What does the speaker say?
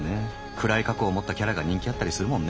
暗い過去を持ったキャラが人気あったりするもんね。